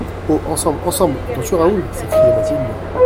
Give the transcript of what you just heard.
Oh ! ensemble, ensemble ! entends-tu Raoul ? s'écria Bathilde.